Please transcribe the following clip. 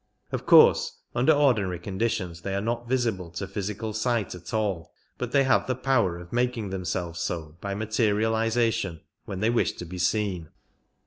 Of course under ordinary conditions they are not visible to physical sight at all, but they have the power of making themselves so by materialization when they wish to be seen.